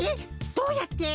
どうやって？